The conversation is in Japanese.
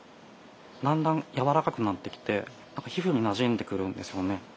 だんだん柔らかくなってきて皮膚になじんでくるんですよね。